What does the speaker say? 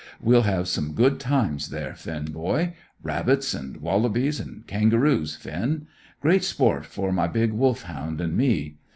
We'll have some good times there, Finn boy; rabbits, and wallabies, and kangaroos, Finn; great sport for my big Wolfhound and me.